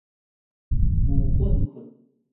牛塭窟